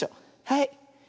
はい。